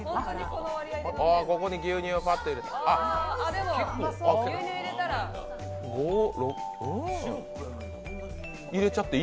ここに牛乳をパッと入れて。